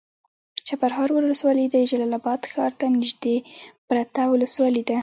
چپرهار ولسوالي د جلال اباد ښار ته نږدې پرته ولسوالي ده.